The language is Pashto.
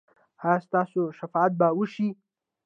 ایا ستاسو شفاعت به وشي؟